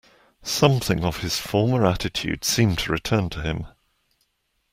Something of his former attitude seemed to return to him.